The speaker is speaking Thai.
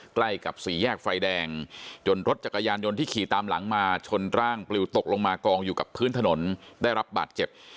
ใกล้กับสี่แยกไฟแดงจนรถจักรยานยนต์ที่ขี่ตามหลังมาชนร่างปลิวตกลงมากองอยู่กับพื้นถนนได้รับบาดเจ็บ